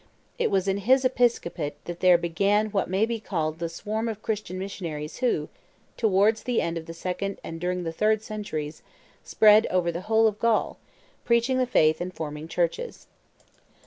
It was in his episcopate that there began what may be called the swarm of Christian missionaries who, towards the end of the second and during the third centuries, spread over the whole of Gaul, preaching the faith and forming churches.